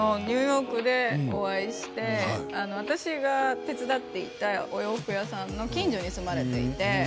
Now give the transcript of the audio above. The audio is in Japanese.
ニューヨークでお会いして私が手伝っていたお洋服屋さんの近所に住まれていて。